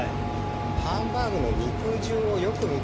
ハンバーグの肉汁をよく見てほしいんです。